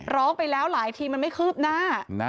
ร้องไปแล้วหลายทีมันไม่คืบหน้า